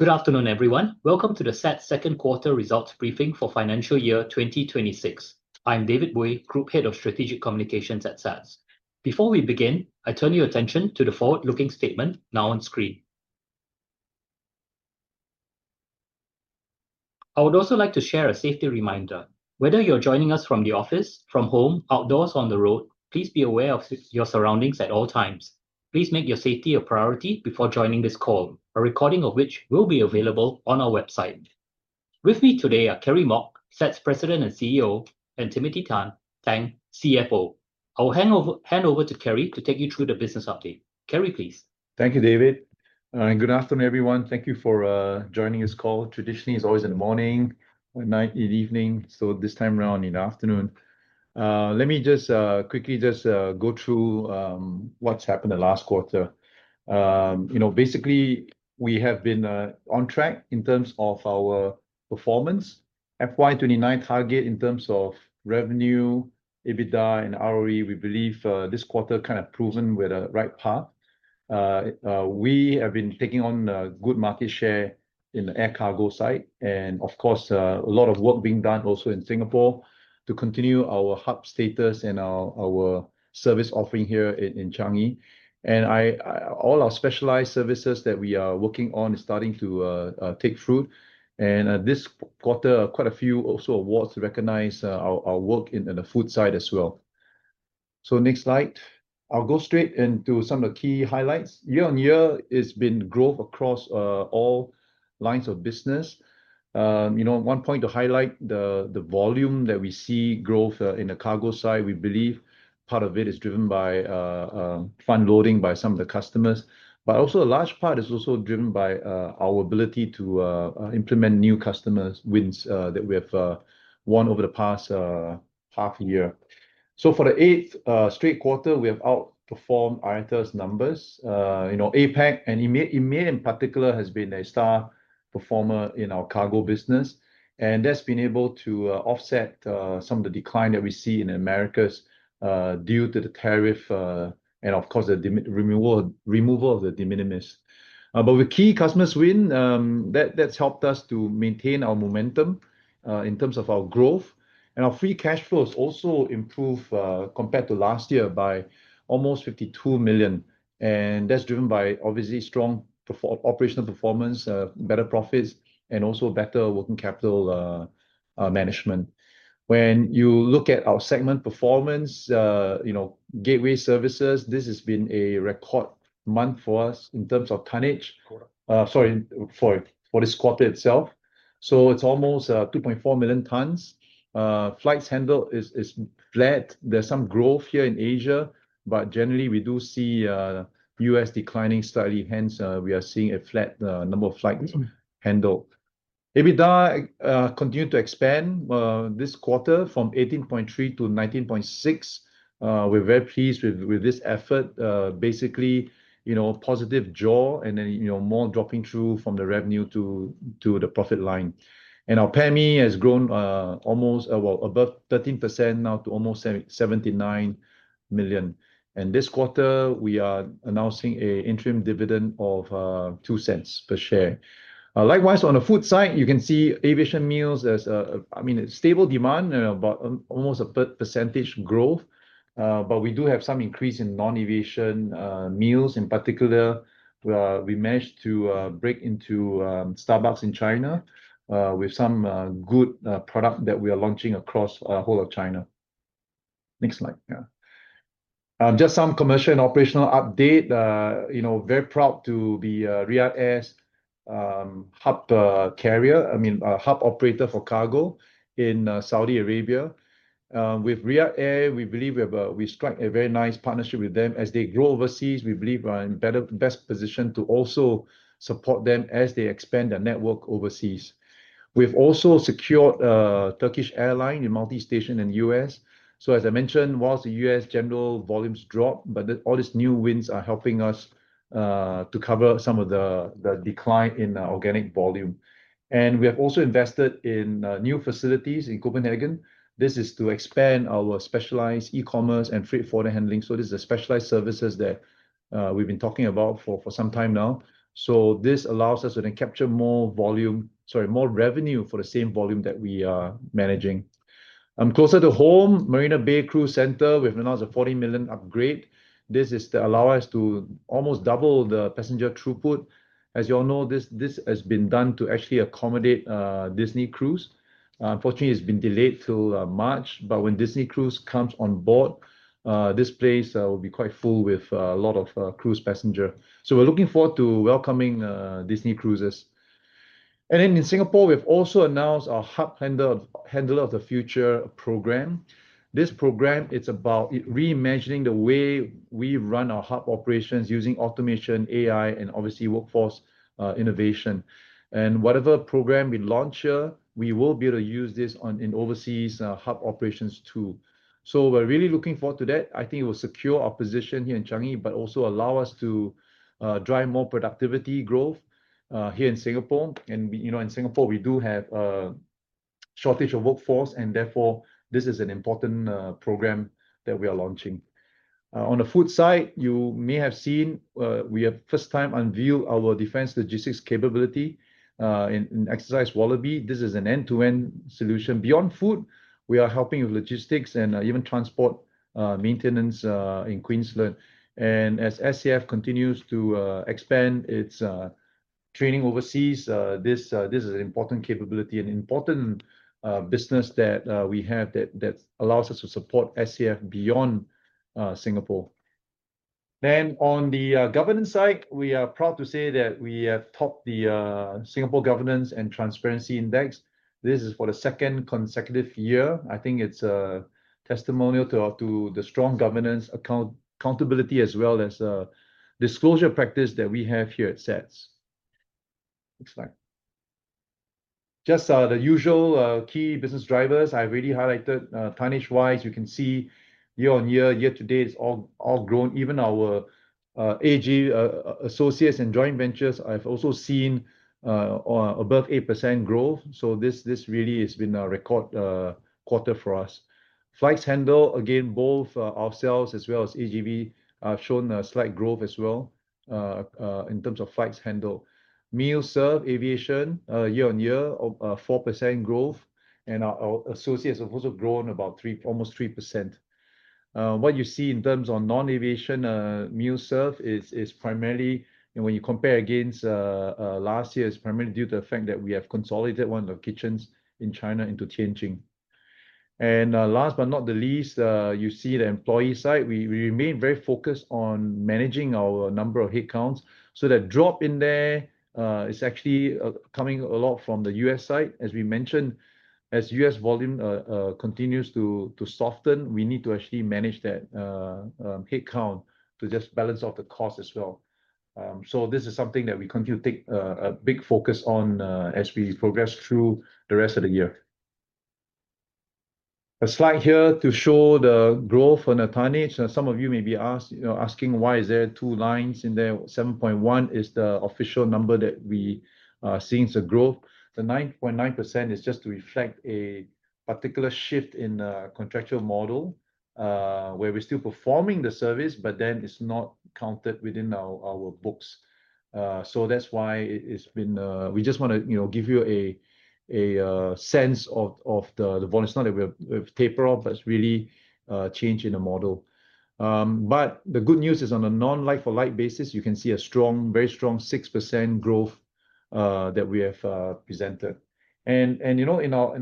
Good afternoon, everyone. Welcome to the SATS second quarter results briefing for financial year 2026. I'm David Boey, Group Head of Strategic Communications at SATS. Before we begin, I turn your attention to the forward-looking statement now on screen. I would also like to share a safety reminder. Whether you're joining us from the office, from home, outdoors, or on the road, please be aware of your surroundings at all times. Please make your safety a priority before joining this call, a recording of which will be available on our website. With me today are Kerry Mok, SATS President and CEO, and Timothy Tang, CFO. I will hand over to Kerry to take you through the business update. Kerry, please. Thank you, David. Good afternoon, everyone. Thank you for joining this call. Traditionally, it's always in the morning, in the evening, so this time around in the afternoon. Let me just quickly go through what's happened the last quarter. Basically, we have been on track in terms of our performance. FY 2029 target in terms of revenue, EBITDA, and ROE, we believe this quarter kind of proven we're the right path. We have been taking on a good market share in the air cargo side. Of course, a lot of work being done also in Singapore to continue our hub status and our service offering here in Changi. All our specialized services that we are working on are starting to take fruit. This quarter, quite a few also awards recognize our work in the food side as well. Next slide. I'll go straight into some of the key highlights. Year-on-year, it's been growth across all lines of business. One point to highlight, the volume that we see growth in the cargo side, we believe part of it is driven by fund loading by some of the customers. A large part is also driven by our ability to implement new customers' wins that we have won over the past half year. For the eighth straight quarter, we have outperformed IATA's numbers. APAC and EMEA, EMEA in particular, has been a star performer in our cargo business. That has been able to offset some of the decline that we see in America's due to the tariff and, of course, the removal of the de minimis. With key customers' wins, that's helped us to maintain our momentum in terms of our growth. Our free cash flows also improved compared to last year by almost 52 million. That is driven by, obviously, strong operational performance, better profits, and also better working capital management. When you look at our segment performance, gateway services, this has been a record month for us in terms of tonnage. Sorry, for this quarter itself. It is almost 2.4 million tons. Flights handled is flat. There is some growth here in Asia, but generally, we do see U.S. declining slightly. Hence, we are seeing a flat number of flights handled. EBITDA continued to expand this quarter from 18.3 million to 19.6 million. We are very pleased with this effort. Basically, [positive jaw] and then more dropping through from the revenue to the profit line. Our PACMEA has grown almost above 13% now to almost 79 million. This quarter, we are announcing an interim dividend of 0.02 per share. Likewise, on the food side, you can see aviation meals as, I mean, stable demand and about almost a percentage growth. But we do have some increase in non-aviation meals. In particular, we managed to break into Starbucks in China with some good product that we are launching across the whole of China. Next slide. Just some commercial and operational update. Very proud to be Riyadh Air's hub carrier, I mean, hub operator for cargo in Saudi Arabia. With Riyadh Air, we believe we have struck a very nice partnership with them. As they grow overseas, we believe we are in the best position to also support them as they expand their network overseas. We've also secured Turkish Airlines in multi-station in the U.S. As I mentioned, whilst the U.S. general volumes drop, all these new wins are helping us to cover some of the decline in organic volume. We have also invested in new facilities in Copenhagen. This is to expand our specialized e-commerce and freight forwarder handling. This is the specialized services that we've been talking about for some time now. This allows us to then capture more revenue for the same volume that we are managing. Closer to home, Marina Bay Cruise Center, we've announced a 40 million upgrade. This is to allow us to almost double the passenger throughput. As you all know, this has been done to actually accommodate Disney Cruise. Unfortunately, it's been delayed till March. When Disney Cruise comes on board, this place will be quite full with a lot of cruise passengers. We are looking forward to welcoming Disney Cruises. In Singapore, we have also announced our hub handler of the future program. This program is about reimagining the way we run our hub operations using automation, AI, and obviously workforce innovation. Whatever program we launch here, we will be able to use this in overseas hub operations too. We are really looking forward to that. I think it will secure our position here in Changi, but also allow us to drive more productivity growth here in Singapore. In Singapore, we do have a shortage of workforce, and therefore, this is an important program that we are launching. On the food side, you may have seen we have for the first time unveiled our defense logistics capability in Exercise Wallaby. This is an end-to-end solution. Beyond food, we are helping with logistics and even transport maintenance in Queensland. As SGF continues to expand its training overseas, this is an important capability, an important business that we have that allows us to support SGF beyond Singapore. On the governance side, we are proud to say that we have topped the Singapore Governance and Transparency Index. This is for the second consecutive year. I think it's a testimonial to the strong governance accountability as well as the disclosure practice that we have here at SATS. Next slide. Just the usual key business drivers I've already highlighted. Tonnage-wise, you can see year-on-year, year to date, it's all grown. Even our AG associates and joint ventures have also seen above 8% growth. This really has been a record quarter for us. Flights handled, again, both ourselves as well as AGV have shown a slight growth as well in terms of flights handled. Meal serve aviation year-on-year, 4% growth. Our associates have also grown about almost 3%. What you see in terms of non-aviation meal serve is primarily, when you compare against last year, it's primarily due to the fact that we have consolidated one of the kitchens in China into Tianjin. Last but not the least, you see the employee side. We remain very focused on managing our number of headcounts. That drop in there is actually coming a lot from the U.S. side. As we mentioned, as U.S. volume continues to soften, we need to actually manage that headcount to just balance out the cost as well. This is something that we continue to take a big focus on as we progress through the rest of the year. A slide here to show the growth on the tonnage. Some of you may be asking why is there two lines in there. 7.1 is the official number that we are seeing as a growth. The 9.9% is just to reflect a particular shift in the contractual model where we're still performing the service, but then it's not counted within our books. That is why we just want to give you a sense of the volume. It's not that we've tapered off, but it's really changed in the model. The good news is on a non-like-for-like basis, you can see a strong, very strong 6% growth that we have presented. In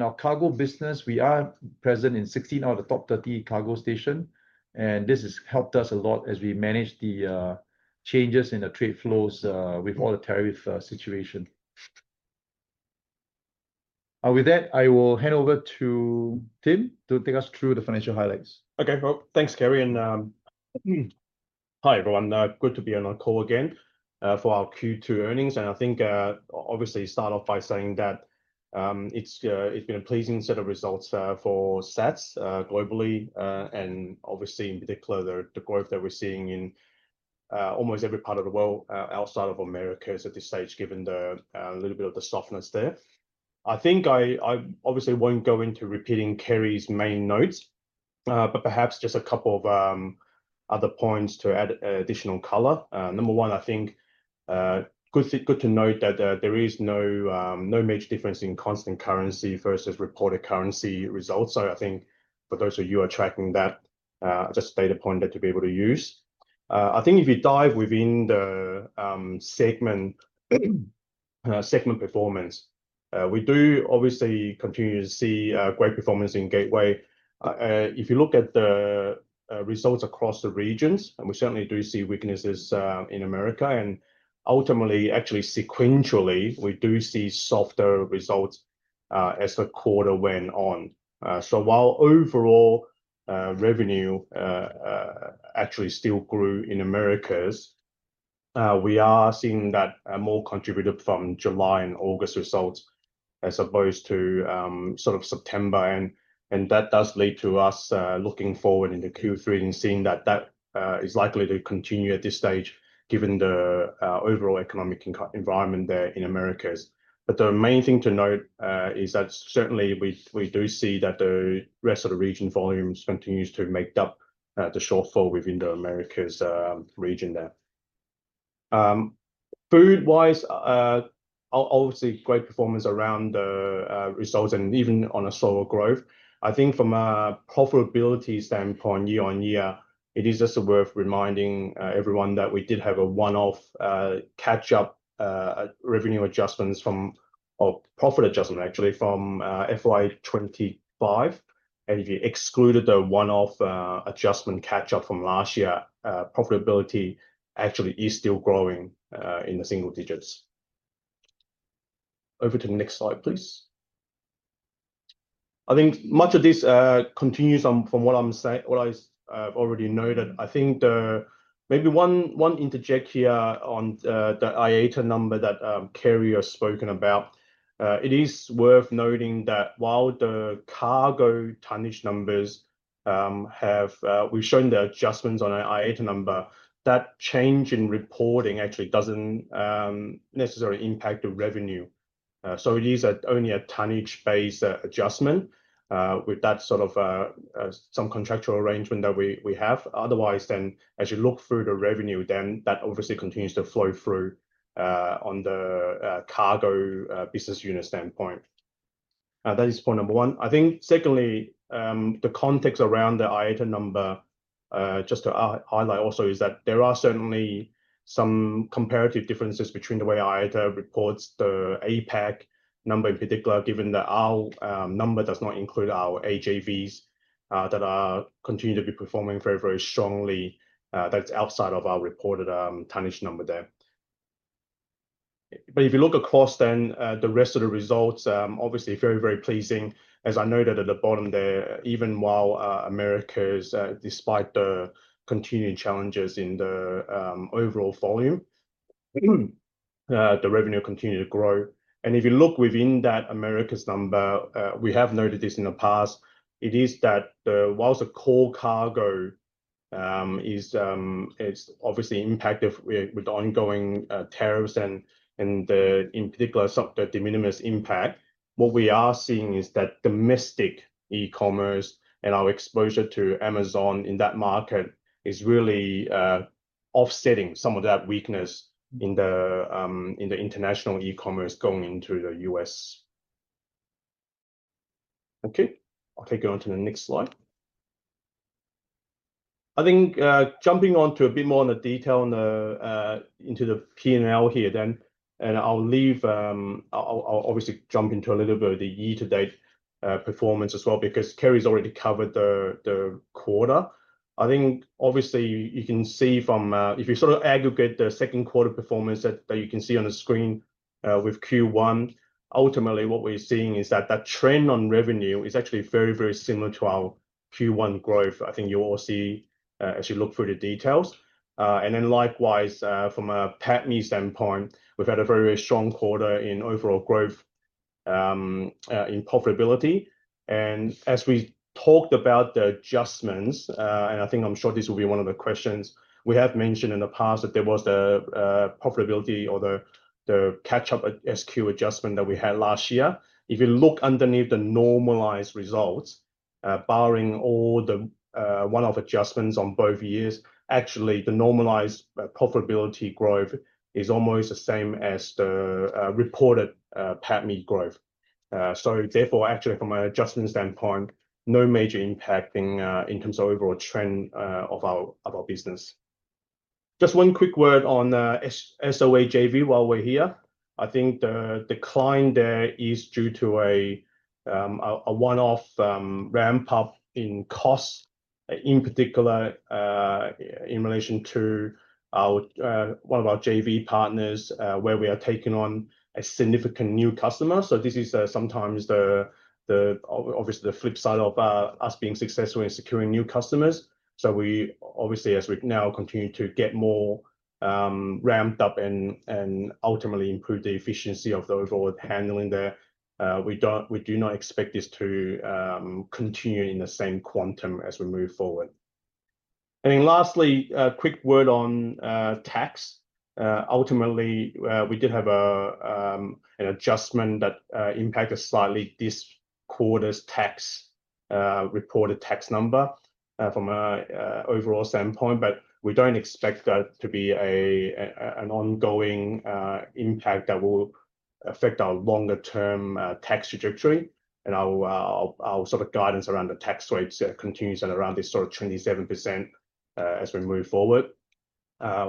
our cargo business, we are present in 16 out of the top 30 cargo stations. This has helped us a lot as we manage the changes in the trade flows with all the tariff situation. With that, I will hand over to Tim to take us through the financial highlights. Okay. Thanks, Kerry. Hi, everyone. Good to be on the call again for our Q2 earnings. I think, obviously, start off by saying that it's been a pleasing set of results for SATS globally. Obviously, in particular, the growth that we're seeing in almost every part of the world outside of America at this stage, given the little bit of the softness there. I think I obviously won't go into repeating Kerry's main notes, but perhaps just a couple of other points to add additional color. Number one, I think good to note that there is no major difference in constant currency versus reported currency results. For those of you who are tracking that, just a data point that you'll be able to use. If you dive within the segment performance, we do obviously continue to see great performance in gateway. If you look at the results across the regions, we certainly do see weaknesses in America. Ultimately, actually sequentially, we do see softer results as the quarter went on. While overall revenue actually still grew in America's, we are seeing that more contributed from July and August results as opposed to sort of September. That does lead to us looking forward in the Q3 and seeing that that is likely to continue at this stage given the overall economic environment there in America's. The main thing to note is that certainly we do see that the rest of the region volumes continue to make up the shortfall within the America's region there. Food-wise, obviously, great performance around the results and even on a slower growth. I think from a profitability standpoint, year-on-year, it is just worth reminding everyone that we did have a one-off catch-up revenue adjustment from, or profit adjustment, actually, from FY 2025. If you excluded the one-off adjustment catch-up from last year, profitability actually is still growing in the single digits. Over to the next slide, please. I think much of this continues from what I've already noted. I think maybe one interject here on the IATA number that Kerry has spoken about. It is worth noting that while the cargo tonnage numbers have, we've shown the adjustments on an IATA number, that change in reporting actually does not necessarily impact the revenue. It is only a tonnage-based adjustment with that sort of some contractual arrangement that we have. Otherwise, as you look through the revenue, that obviously continues to flow through on the cargo business unit standpoint. That is point number one. I think, secondly, the context around the IATA number, just to highlight also, is that there are certainly some comparative differences between the way IATA reports the APAC number in particular, given that our number does not include our AJVs that continue to be performing very, very strongly. That is outside of our reported tonnage number there. If you look across, then the rest of the results, obviously, very, very pleasing. As I noted at the bottom there, even while America's, despite the continuing challenges in the overall volume, the revenue continued to grow. If you look within that America's number, we have noted this in the past, it is that whilst the core cargo is obviously impacted with the ongoing tariffs and in particular, the de minimis impact, what we are seeing is that domestic e-commerce and our exposure to Amazon in that market is really offsetting some of that weakness in the international e-commerce going into the U.S. Okay. I'll take you on to the next slide. I think jumping on to a bit more on the detail into the P&L here then, and I'll obviously jump into a little bit of the year-to-date performance as well because Kerry's already covered the quarter. I think, obviously, you can see from if you sort of aggregate the second quarter performance that you can see on the screen with Q1, ultimately, what we're seeing is that that trend on revenue is actually very, very similar to our Q1 growth. I think you'll all see as you look through the details. Likewise, from a PACMEA standpoint, we've had a very, very strong quarter in overall growth in profitability. As we talked about the adjustments, and I think I'm sure this will be one of the questions, we have mentioned in the past that there was the profitability or the catch-up SQ adjustment that we had last year. If you look underneath the normalized results, barring all the one-off adjustments on both years, actually, the normalized profitability growth is almost the same as the reported PACMEA growth. Therefore, actually, from an adjustment standpoint, no major impact in terms of overall trend of our business. Just one quick word on SOA JV while we're here. I think the decline there is due to a one-off ramp-up in costs, in particular, in relation to one of our JV partners where we are taking on a significant new customer. This is sometimes obviously the flip side of us being successful in securing new customers. We obviously, as we now continue to get more ramped up and ultimately improve the efficiency of the overall handling there, do not expect this to continue in the same quantum as we move forward. Lastly, a quick word on tax. Ultimately, we did have an adjustment that impacted slightly this quarter's reported tax number from an overall standpoint, but we do not expect that to be an ongoing impact that will affect our longer-term tax trajectory. Our sort of guidance around the tax rates continues around this sort of 27% as we move forward.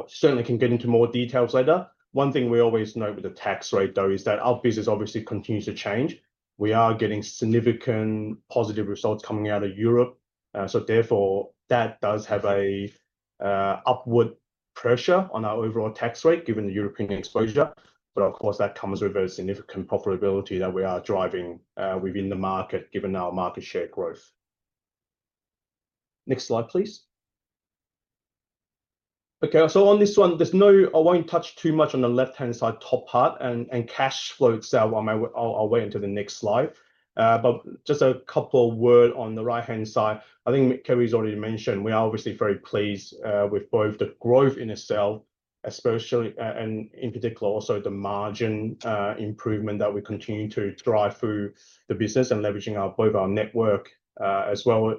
Certainly, can get into more details later. One thing we always note with the tax rate, though, is that our business obviously continues to change. We are getting significant positive results coming out of Europe. Therefore, that does have an upward pressure on our overall tax rate given the European exposure. Of course, that comes with very significant profitability that we are driving within the market given our market share growth. Next slide, please. Okay. On this one, I will not touch too much on the left-hand side top part and cash flow itself. I will wait until the next slide. Just a couple of words on the right-hand side. I think Kerry has already mentioned we are obviously very pleased with both the growth in itself, especially and in particular, also the margin improvement that we continue to drive through the business and leveraging both our network as well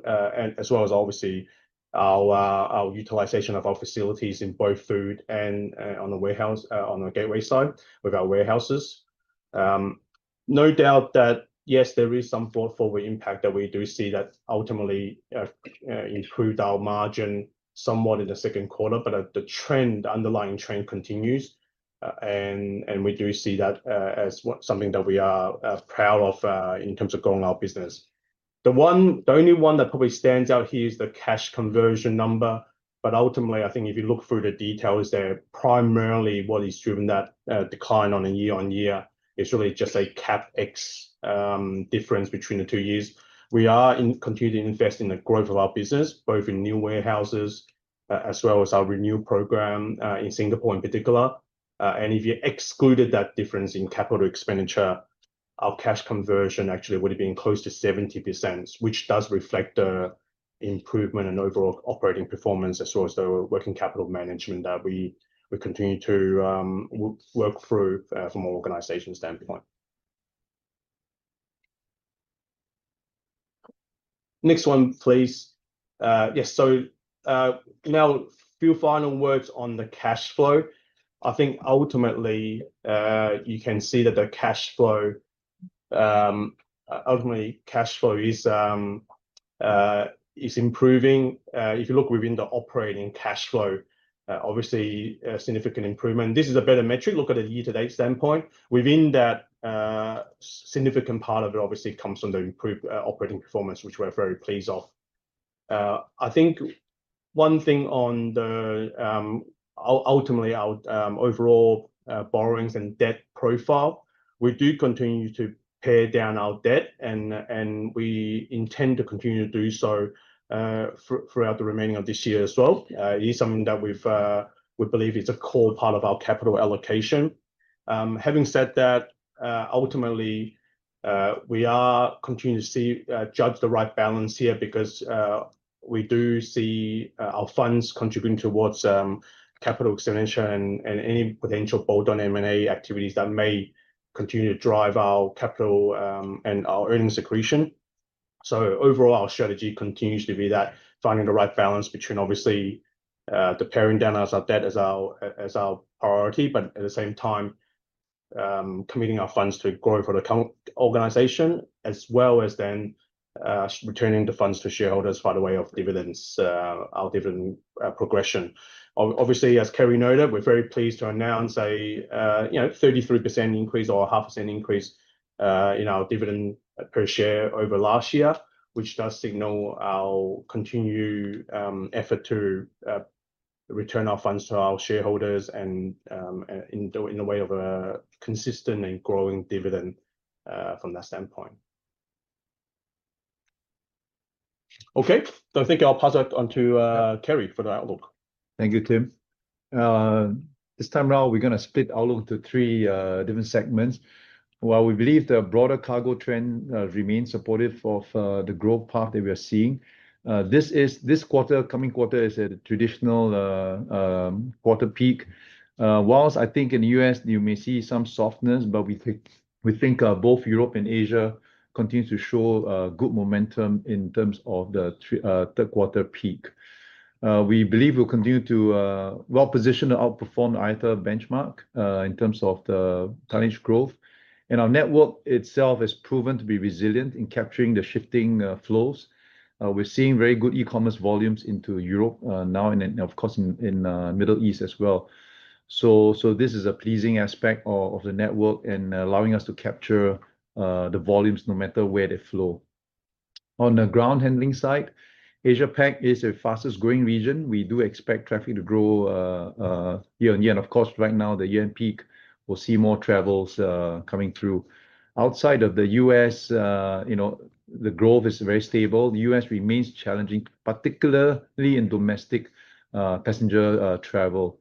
as obviously our utilization of our facilities in both food and on the warehouse on the gateway side with our warehouses. No doubt that, yes, there is some forward impact that we do see that ultimately improved our margin somewhat in the second quarter, but the underlying trend continues. We do see that as something that we are proud of in terms of growing our business. The only one that probably stands out here is the cash conversion number. Ultimately, I think if you look through the details, they're primarily what has driven that decline on a year-on-year. It's really just a CapEx difference between the two years. We are continuing to invest in the growth of our business, both in new warehouses as well as our renew program in Singapore in particular. If you excluded that difference in capital expenditure, our cash conversion actually would have been close to 70%, which does reflect the improvement in overall operating performance as well as the working capital management that we continue to work through from an organization standpoint. Next one, please. Yes. Now a few final words on the cash flow. I think ultimately, you can see that the cash flow ultimately cash flow is improving. If you look within the operating cash flow, obviously, a significant improvement. This is a better metric. Look at a year-to-date standpoint. Within that, a significant part of it obviously comes from the improved operating performance, which we're very pleased of. I think one thing on the ultimately our overall borrowings and debt profile, we do continue to pare down our debt, and we intend to continue to do so throughout the remaining of this year as well. It is something that we believe is a core part of our capital allocation. Having said that, ultimately, we are continuing to judge the right balance here because we do see our funds contributing towards capital expenditure and any potential bolt-on M&A activities that may continue to drive our capital and our earnings accretion. Overall, our strategy continues to be that finding the right balance between, obviously, the paring down our debt as our priority, but at the same time, committing our funds to grow for the organization, as well as then returning the funds to shareholders by the way of dividends, our dividend progression. Obviously, as Kerry noted, we're very pleased to announce a 33% increase or a half percent increase in our dividend per share over last year, which does signal our continued effort to return our funds to our shareholders and in the way of a consistent and growing dividend from that standpoint. Okay. I think I'll pass it on to Kerry for the outlook. Thank you, Tim. This time around, we're going to split out into three different segments. While we believe the broader cargo trend remains supportive of the growth path that we are seeing, this quarter, coming quarter, is a traditional quarter peak. Whilst I think in the U.S., you may see some softness, we think both Europe and Asia continue to show good momentum in terms of the third quarter peak. We believe we will continue to well position the outperformed IATA benchmark in terms of the tonnage growth. Our network itself has proven to be resilient in capturing the shifting flows. We are seeing very good e-commerce volumes into Europe now and, of course, in the Middle East as well. This is a pleasing aspect of the network and allowing us to capture the volumes no matter where they flow. On the ground handling side, Asia-Pac is a fastest-growing region. We do expect traffic to grow year-on-year. Of course, right now, the year-end peak, we'll see more travels coming through. Outside of the U.S., the growth is very stable. The U.S. remains challenging, particularly in domestic passenger travel.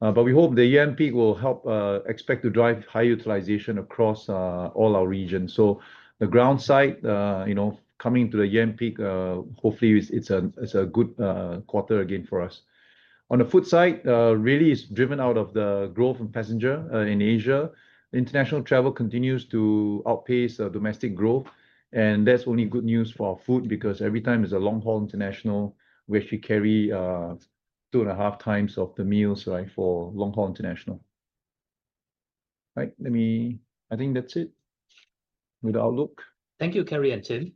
We hope the year-end peak will help expect to drive high utilization across all our regions. The ground side, coming to the year-end peak, hopefully, it's a good quarter again for us. On the food side, really, it's driven out of the growth in passenger in Asia. International travel continues to outpace domestic growth. That's only good news for our food because every time it's a long-haul international, we actually carry 2.5x the meals for long-haul international. All right. I think that's it with the outlook. Thank you, Kerry and Tim.